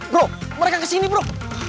bro mereka kesini bro